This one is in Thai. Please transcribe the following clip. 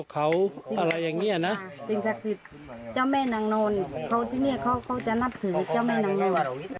เขาที่นี่เขาจะนับถือเจ้าแม่นางนอน